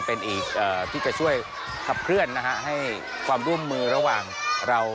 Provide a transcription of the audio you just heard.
เป็นอีกที่จะช่วยขับเคลื่อนนะฮะให้ความร่วมมือระหว่างเรา